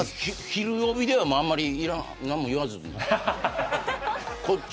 ひるおびではあんまり何も言わずにね。